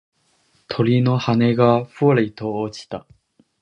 鳥の羽がふわりと落ちた。